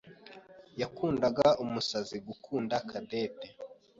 yakundaga umusazi gukunda Cadette.